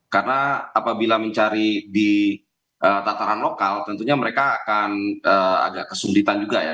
karena apabila mencari di tataran lokal tentunya mereka akan agak kesulitan juga ya